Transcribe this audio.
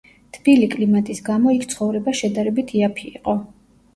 თბილი კლიმატის გამო იქ ცხოვრება შედარებით იაფი იყო.